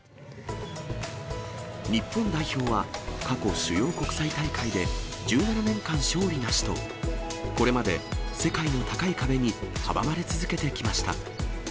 日本代表は過去、主要国際大会で１７年間勝利なしと、これまで世界の高い壁に阻まれ続けてきました。